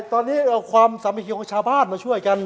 ตอนนี้ความสำหรับชาวพลาดมาช่วยกัน